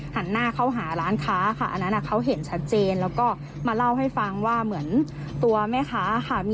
ตรงกลางจนถึงด้านล่างหักไข่